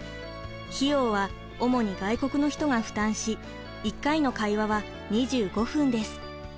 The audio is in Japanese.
費用は主に外国の人が負担し１回の会話は２５分です。